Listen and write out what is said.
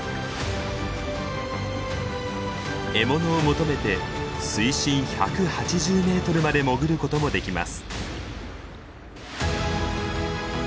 獲物を求めて水深１８０メートルまで潜ることもできます。